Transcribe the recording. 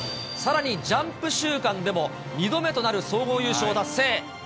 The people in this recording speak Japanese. さらに、ジャンプ週間でも、２度目となる総合優勝達成。